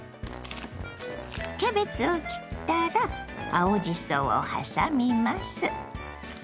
キャベツを切ったら青じそをはさみます。